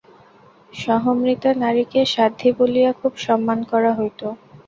সহমৃতা নারীকে সাধ্বী বলিয়া খুব সম্মান করা হইত।